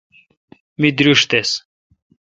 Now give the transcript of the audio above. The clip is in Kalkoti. می درݭ تس۔